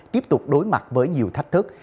tiếp tục đối mặt với nhiều thách thức